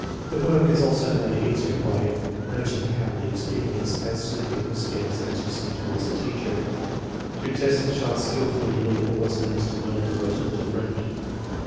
The work is also made easier by noting how the experience adds to the pupil's feeling of intimacy toward the teacher. To test a child skillfully nearly always means to win a devoted little friend.